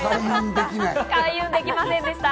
開運できませんでした。